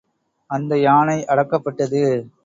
அந்த யானை அடக்கப்பட்டது.